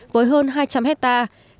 với hơn hai trăm linh hectare